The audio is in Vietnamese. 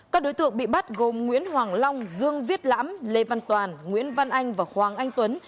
các đối tượng bị bắt gồm nguyễn hoàng long dương viết lãm lê văn toàn nguyễn văn anh và hoàng anh tuấn